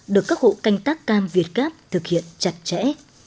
được các hộ canh tác cam việt gáp thực hiện chặt chẽ